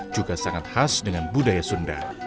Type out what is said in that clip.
juga sangat khas dengan budaya sunda